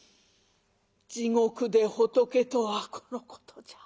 「地獄で仏とはこのことじゃ。